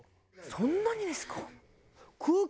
そんなにですか？